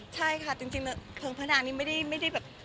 ใช่ค่ะจริงเนี่ยเพลิงภนาเนี่ยไม่ได้แบบ